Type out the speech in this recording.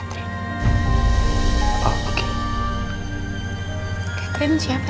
kalo kogo kerajaannya apa